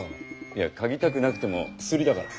いやかぎたくなくても薬だから。